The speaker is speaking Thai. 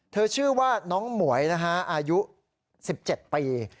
ชื่อว่าน้องหมวยนะฮะอายุ๑๗ปี